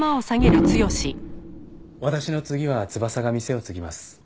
私の次は翼が店を継ぎます。